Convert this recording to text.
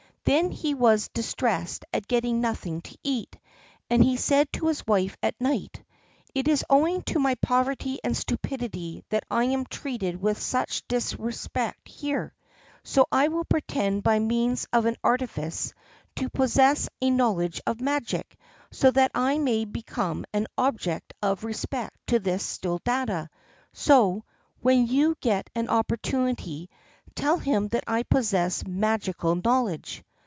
Then he was distressed at getting nothing to eat, and he said to his wife at night: "It is owing to my poverty and stupidity that I am treated with such disrespect here; so I will pretend by means of an artifice to possess a knowledge of magic, so that I may become an object of respect to this Sthuladatta; so, when you get an opportunity, tell him that I possess magical knowledge."